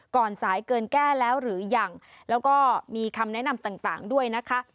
สายเกินแก้แล้วหรือยังแล้วก็มีคำแนะนำต่างด้วยนะคะ